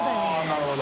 △なるほど。